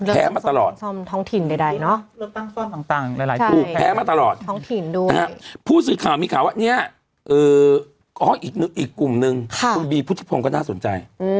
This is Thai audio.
กลุ่มนึงทอลดิฟุทธิพงก็น่าสนใจ